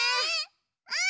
うん！